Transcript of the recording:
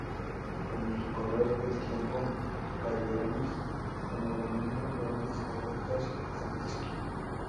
Con el correr del tiempo, Farellones fue ganando grandes adeptos al esquí.